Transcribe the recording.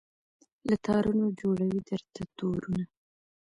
له تارونو جوړوي درته تورونه